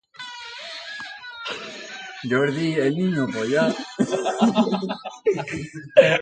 Kasu hauetan monarkiak aristokraziaren antza du, nobleziaren arteko boterearen disoluzioagatik.